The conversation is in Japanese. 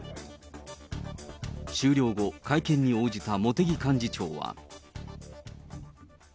終了後、会見に応じた茂木幹事長は。